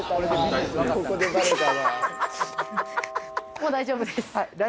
もう大丈夫です。